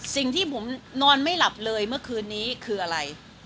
สิ่งที่ผมนอนไม่หลับเลยเมื่อคืนนี้คืออะไร